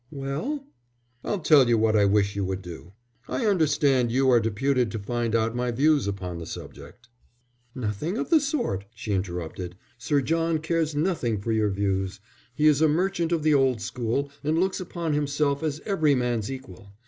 "Well?" "I'll tell you what I wish you would do. I understand you are deputed to find out my views upon the subject." "Nothing of the sort," she interrupted. "Sir John cares nothing for your views. He is a merchant of the old school, and looks upon himself as every man's equal.